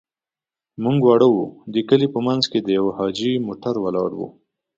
موږ واړه وو، د کلي په منځ کې د يوه حاجي موټر ولاړ و.